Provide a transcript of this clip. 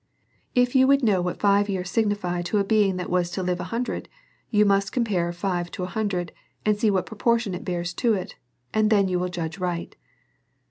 If you would know what five years signify to a be ing that was to live an hundred, you must compare five to an hundred, and see what proportion it bears to it, and then you will judge right.